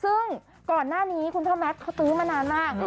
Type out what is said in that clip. ซึ่งก่อนหน้านี้คุณพ่อแมทเขาตื้อมานานมาก